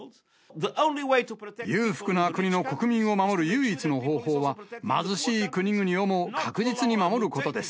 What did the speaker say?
裕福な国の国民を守る唯一の方法は、貧しい国々をも確実に守ることです。